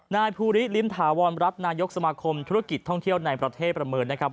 นายภูริลิมถาวรรัฐนายกสมาคมธุรกิจท่องเที่ยวในประเทศประเมินนะครับ